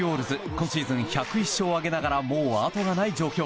今シーズン１０１勝を挙げながらもうあとがない状況。